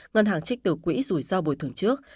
ngân hàng trích từ quỹ rủi ro bồi thường trước